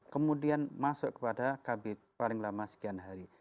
kemudian masuk kepada kabit paling lama sekian hari